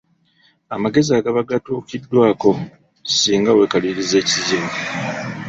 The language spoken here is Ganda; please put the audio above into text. Amagezi agaba gatuukiddwako singa weekaliriza ekizibu.